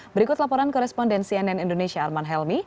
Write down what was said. berikut laporan korespondensi nn indonesia arman helmi